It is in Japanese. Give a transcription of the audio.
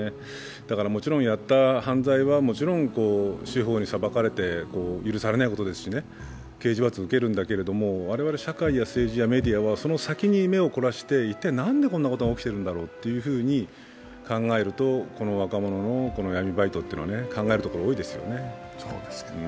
だからもちろん、やった犯罪は司法に裁かれて許されないことですしね、刑事罰を受けるんだけども我々社会や政治やメディアはその先に目を凝らして、一体なんでこんなこと起きているんだろうと考えると考えるとこの若者の闇バイトというのは考えるところが多いですよね。